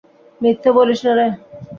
মিথ্যে বলিস না রে!